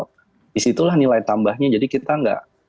disitulah nilai tambahnya jadi kita nggak